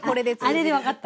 あれで分かった？